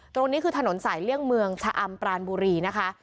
ตรงนี้คือถนนสายเลี่ยงเมืองชะอำปรานบุรีนะคะ